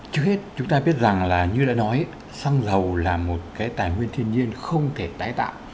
trước hết chúng ta biết rằng là như đã nói xăng dầu là một cái tài nguyên thiên nhiên không thể tái tạo